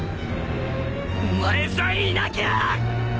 お前さえいなきゃ